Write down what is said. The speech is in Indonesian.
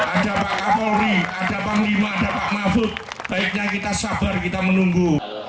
ada pak apo ri ada pak lima ada pak mahfud baiknya kita sabar kita menunggu